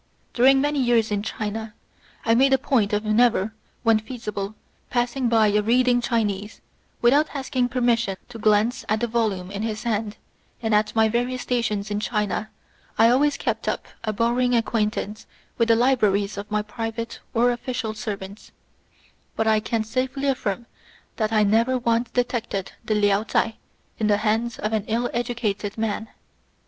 Ever since I have been in China, I have made a point of never, when feasible, passing by a reading Chinaman without asking permission to glance at the volume in his hand; and at my various stations in China I have always kept up a borrowing acquaintance with the libraries of my private or official servants; but I can safely affirm that I have not once detected the Liao Chai in the XXX11 INTRODUCTION. hands of an ill educated man.